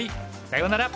さようなら。